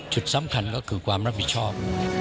จุดสำคัญก็คือความรับผิดชอบ